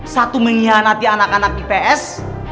satu mengkhianati anak anak ips